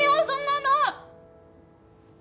そんなの！